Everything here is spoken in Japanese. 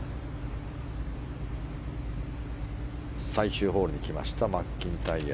最終ホールに来ましたマッキンタイヤ。